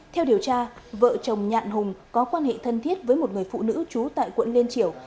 theo điều tra vợ chồng nhạn hùng có quan hệ thân thiết với một người phụ nữ trú tại quận liên triểu